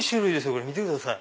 これ見てください。